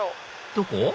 どこ？